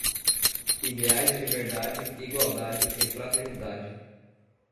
Ideais de liberdade, igualdade e fraternidade